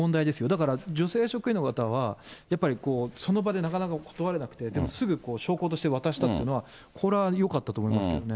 だから、女性職員の方は、やっぱりその場でなかなか断れなくて、でもすぐ証拠として渡したというのは、これはよかったと思いますね。